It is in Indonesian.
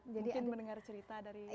mungkin mendengar cerita dari teman teman